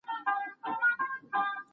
جنت د نیکانو او پرهیزګارانو ځای دی.